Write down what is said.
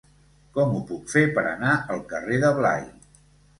Com ho puc fer per anar al carrer de Blai?